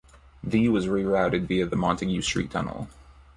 The was rerouted via the Montague Street Tunnel.